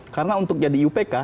karena untuk jadi iupk